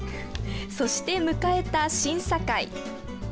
そして迎えた審査会。